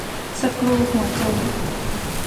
สกรูหัวจม